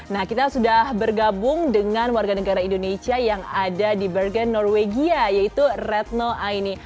nah kita sudah bergabung dengan warga negara indonesia yang ada di bergen norwegia yaitu retno aini